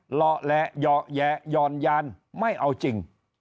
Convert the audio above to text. หล่อแหละเหยาะแหยะหย่อนยานไม่เอาจริง